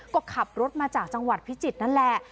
ก็ขับรถมาจากจังหวัดพิจิตรนั่นแหละ